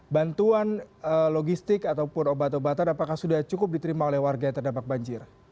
bantuan logistik ataupun obat obatan apakah sudah cukup diterima oleh warga yang terdampak banjir